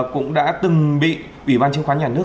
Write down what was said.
cũng đã từng bị ủy ban chứng khoán nhà nước